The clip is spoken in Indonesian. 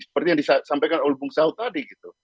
seperti yang disampaikan ulfung sao tadi